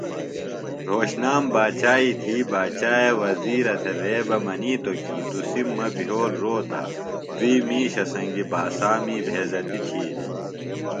رھوشنام باچائی دھی باچاے وزِیرہ تھےۡ رے بہ منِیتوۡ کیۡ ”تُسِم مہ بھیول روتہ دُئیۡ مِیشہ سنگیۡ باسا می بھیزتیۡ تِھیلیۡ